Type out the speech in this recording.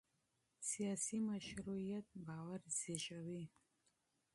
سیاسي مشروعیت باور زېږوي